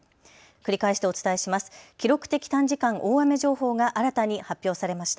繰り返しお伝えします。